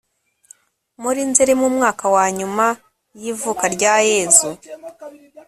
muri nzeri mu mwaka wa nyuma y' ivuka rya yezu